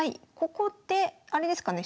ここってあれですかね